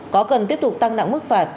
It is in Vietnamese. có cần tiếp tục tăng nặng mức phạt